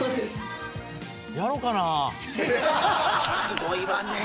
「すごいわね」